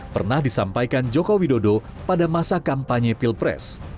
pernah disampaikan jokowi dodo pada masa kampanye pilpres